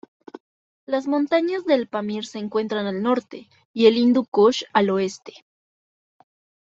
Las montañas del Pamir se encuentran al norte y el Hindu Kush al oeste.